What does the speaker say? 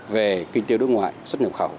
về kinh tế nước ngoài xuất nhập khẩu